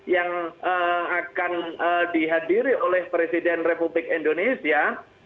yang akan dihadiri oleh presiden republik indonesia